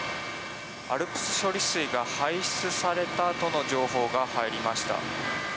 ＡＬＰＳ処理水が排出されたとの情報が入りました。